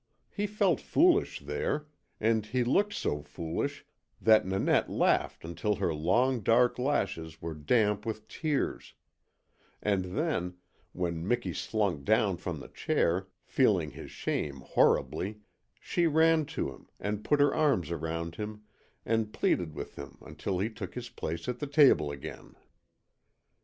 He felt foolish there, and he looked so foolish that Nanette laughed until her long dark lashes were damp with tears; and then, when Miki slunk down from the chair, feeling his shame horribly, she ran to him and put her arms around him and pleaded with him until he took his place at the table again.